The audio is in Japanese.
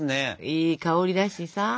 いい香りだしさ。